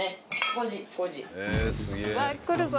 ・５時・来るぞ。